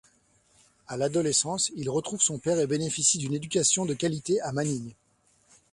À l'adolescence, il retrouve son père et bénéficie d'une éducation de qualité à Manille.